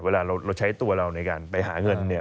เวลาเราใช้ตัวเราในการไปหาเงินเนี่ย